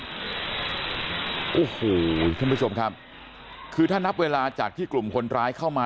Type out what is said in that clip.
โอ้โหท่านผู้ชมครับคือถ้านับเวลาจากที่กลุ่มคนร้ายเข้ามา